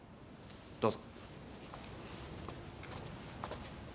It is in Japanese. どうぞ。